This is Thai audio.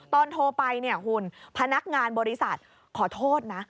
โทรไปเนี่ยคุณพนักงานบริษัทขอโทษนะ